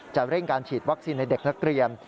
เร่งการฉีดวัคซีนในเด็กนักเรียน